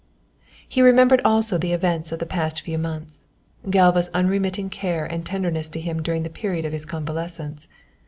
He remembered also the events of the past few months, Galva's unremitting care and tenderness to him during the period of his convalescence.